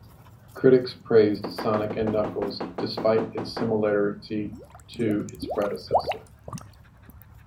Critics praised "Sonic and Knuckles", despite its similarity to its predecessor.